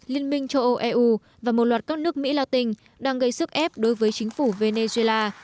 liên minh châu âu eu và một loạt các nước mỹ la tinh đang gây sức ép đối với chính phủ venezuela